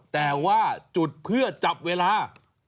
แต่ว่าจุดเพื่อจับเวลา